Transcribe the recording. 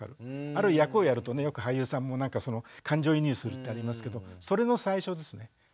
ある役をやるとねよく俳優さんも感情移入するってありますけどそれの最初ですね。